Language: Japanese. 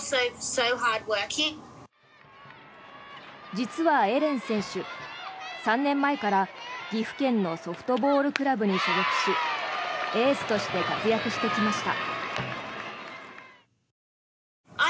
実は、エレン選手３年前から岐阜県のソフトボールクラブに所属しエースとして活躍してきました。